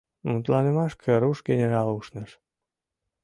— Мутланымашке руш генерал ушныш.